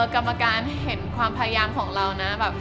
กรรมการเห็นความพยายามของเรานะแบบ